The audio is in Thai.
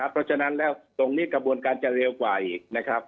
เพราะฉะนั้นแล้วตรงนี้กระบวนการจะเร็วกว่าอีกนะครับ